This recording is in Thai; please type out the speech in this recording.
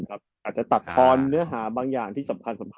อาจจะตัดท้อนเนื้อหาบางอย่างที่สำคัญมากเท่าไหร่ท่ะ